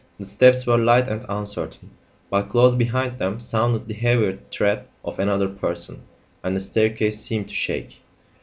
The steps were light and uncertain; but close behind them sounded the heavier tread of another person, and the staircase seemed to shake.